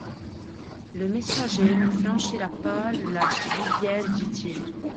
Le messager ne franchira pas la rivière, dit-il.